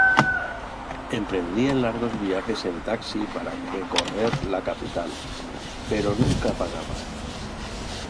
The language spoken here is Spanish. Emprendía largos viajes en taxi para recorrer la Capital, pero nunca pagaba.